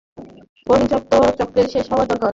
এই হিংসাত্মক চক্রের শেষ হওয়া দরকার।